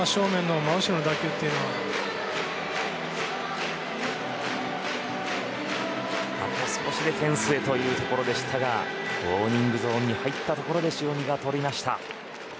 真後ろの打球というのはあと少しでフェンスへというところでしたがウォーニングゾーンに入ったところで塩見が捕りました。